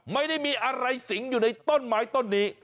ไม่ได้มีอะไรสิงอยู่ในต้นไม้ต้นนี้